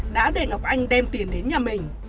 đã để ngọc anh đem tiền đến nhà mình